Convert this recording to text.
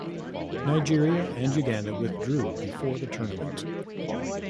Nigeria and Uganda withdrew before the tournament.